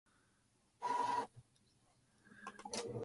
After the match, Mysterio celebrated with Chavo and Vickie Guerrero.